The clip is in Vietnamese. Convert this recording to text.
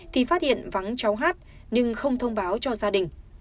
thì phát hiện vắng cháu hát nhưng không thông báo cho gia đình